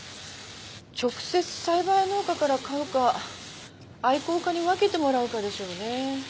直接栽培農家から買うか愛好家に分けてもらうかでしょうね。